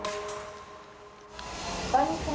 こんにちは。